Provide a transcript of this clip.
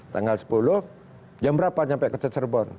tanggal sepuluh jam berapa sampai ke cirebon